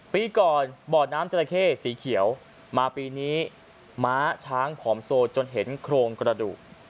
ปีก่อนบ่อน้ำจราเข้สีเขียวมาปีนี้ม้าช้างผอมโซจนเห็นโครงกระดูก